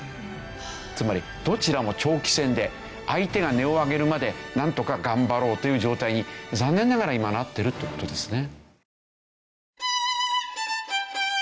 つまりどちらも長期戦で相手が音を上げるまでなんとか頑張ろうという状態に残念ながら今なってるという事ですね。